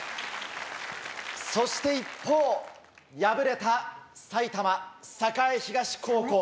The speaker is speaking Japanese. そして一方敗れた埼玉栄東高校。